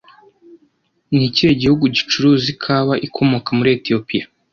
Ni ikihe gihugu gicuruza ikawa ikomoka muri Etiyopiya